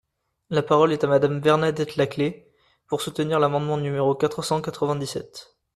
La parole est à Madame Bernadette Laclais, pour soutenir l’amendement numéro quatre cent quatre-vingt-dix-sept.